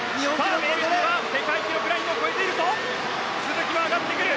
メイルティテ世界記録ラインを超えているぞ鈴木も上がってくる。